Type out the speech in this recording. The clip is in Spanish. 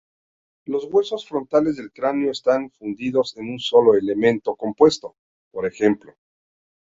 Los huesos frontales del cráneo están fundidos en un solo elemento compuesto, por ejemplo.